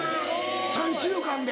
３週間で。